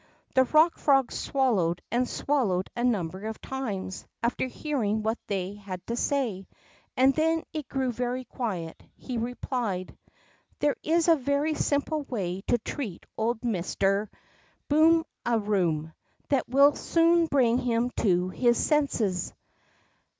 The Eock Frog swallowed and swallowed a number of times after hearing what they had to say, then, as it grew very quiet, he replied : There is a very simple way to treat old Mister THE ROCK FROG 19 Boom a Room that will soon bring him to his senses.